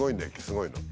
すごいの。